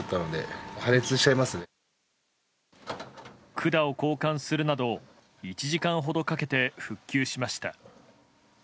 管を交換するなど１時間ほどかけて復旧しました。